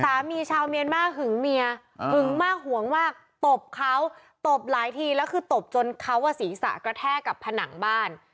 ชาวเมียนมาร์หึงเมียหึงมากหวงมากตบเขาตบหลายทีแล้วคือตบจนเขาศีรษะกระแทกกับผนังบ้าน